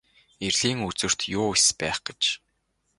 Эрлийн үзүүрт юу эс байх аж.